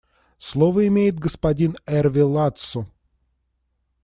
Слово имеет господин Эрве Ладсу.